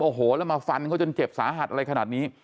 โอ้โหแล้วมาฟันเขาจนเจ็บสาหัสอะไรขนาดนี้